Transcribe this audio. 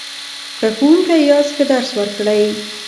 که ښوونکی یاست ښه درس ورکړئ.